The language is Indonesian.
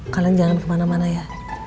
kalian jangan kemana mana ya